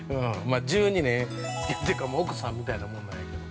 ◆１２年つきあってるから、もう奥さんみたいなもんなんやけど。